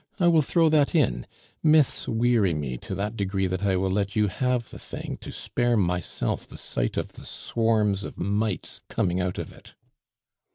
I will throw that in; myths weary me to that degree that I will let you have the thing to spare myself the sight of the swarms of mites coming out of it."